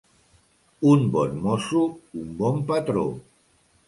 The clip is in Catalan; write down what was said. Un bon mosso, un bon patró.